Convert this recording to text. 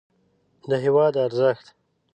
د هېواد ارزښت